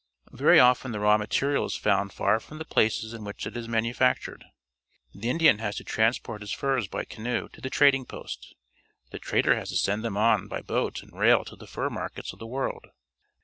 Very often the raw material is found far from the places in which it is manufactured. The Indian has to transport his furs by canoe to the trading post. The trader has to send them on by boat and rail to the fur markets of the world.